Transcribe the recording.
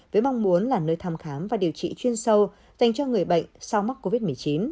với mong muốn là nơi thăm khám và điều trị chuyên sâu dành cho người bệnh sau mắc covid một mươi chín